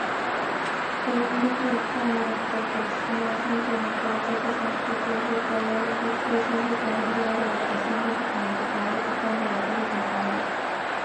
国民だけが不幸になることは決してない。選挙に行こう。私達の手で政治を変えよう。昔は選挙権は不平等だった。先人たちによって、変わった。今度は私達のターンである。